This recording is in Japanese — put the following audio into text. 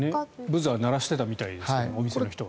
ブザーを鳴らしてたみたいですがお店の人は。